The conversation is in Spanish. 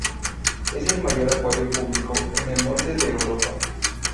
Es el mayor acuario público en el norte de Europa.